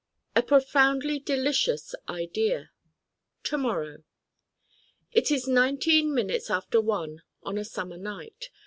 A profoundly delicious idea To morrow It is nineteen minutes after one on a summer night.